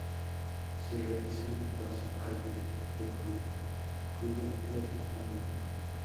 Se realiza un pasacalles, que concluye en Plaza España.